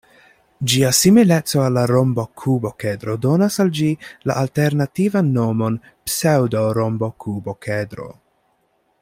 Ĝia simileco al la rombokub-okedro donas al ĝi la alternativan nomon pseŭdo-rombokub-okedro.